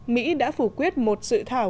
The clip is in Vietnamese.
mỹ đã phủ quyết một sự thảo